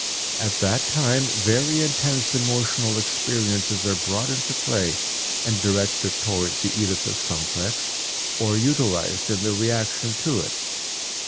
At that time very intense emotional experiences are brought into play and directed towards the Oedipus complex, or utilized in the reaction to it.